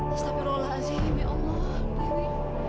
astagfirullahaladzim ya allah dewi